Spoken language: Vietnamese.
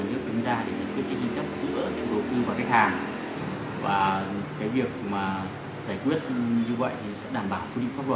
luật sư nêu rõ